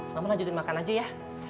mama lanjutin makan aja ya